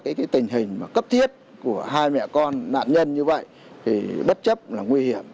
cái tình hình mà cấp thiết của hai mẹ con nạn nhân như vậy thì bất chấp là nguy hiểm